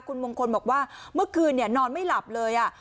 คุณมงคลบอกว่าเมื่อคืนนอนไม่หลับเลย